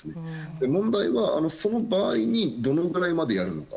問題は、その場合にどのぐらいまでやるのか。